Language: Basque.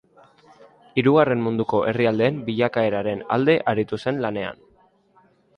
Hirugarren Munduko herrialdeen bilakaeraren alde aritu zen lanean.